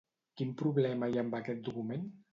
Quin problema hi ha amb aquest document?